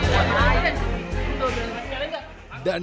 dan yang penting teman teman